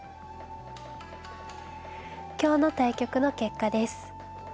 今日の対局の結果です。